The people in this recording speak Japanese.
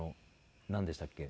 なんでしたっけ？